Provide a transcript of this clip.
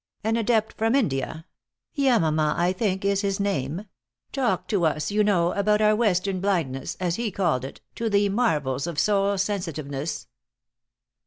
An adept from India Yamama, I think, is his name talked to us, you know, about our Western blindness, as he called it, to the marvels of soul sensitiveness."